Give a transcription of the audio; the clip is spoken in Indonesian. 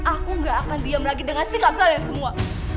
aku gak akan diam lagi dengan sikap kalian semua